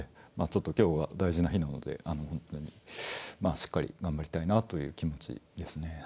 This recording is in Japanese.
まあちょっと今日は大事な日なので本当にしっかり頑張りたいなという気持ちですね。